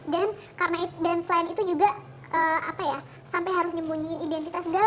dan selain itu juga sampai harus nyembunyiin identitas segala